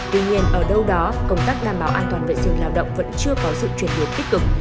tuy nhiên ở đâu đó công tác đảm bảo an toàn vệ sinh lao động vẫn chưa có sự chuyển biến tích cực